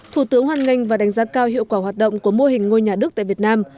thủ tướng hoan nghênh và đánh giá cao hiệu quả hoạt động của mô hình ngôi nhà đức tại việt nam